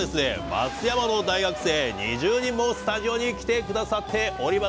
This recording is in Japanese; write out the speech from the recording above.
松山の大学生２０人もスタジオに来てくださっております。